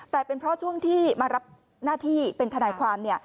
แต่เป็นเพราะช่วงที่มารับหน้าที่เป็นทนายความ